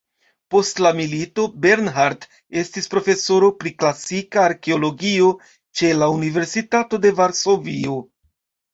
Post la milito, Bernhard estis profesoro pri klasika arkeologio ĉe la Universitato de Varsovio.